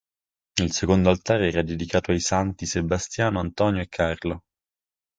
Il secondo altare era dedicato ai Santi Sebastiano, Antonio e Carlo.